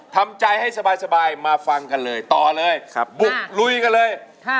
ทำใจให้สบายมาฟังกันเลยต่อเลยบุกลุยกันเลย